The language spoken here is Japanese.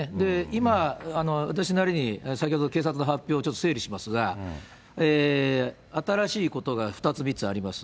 今、私なりに先ほど警察の発表をちょっと整理しますが、新しいことが２つ、３つあります。